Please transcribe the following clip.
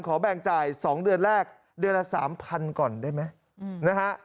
แบ่งจ่าย๒เดือนแรกเดือนละ๓๐๐๐ก่อนได้ไหมนะฮะ